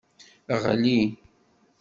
Ɣli.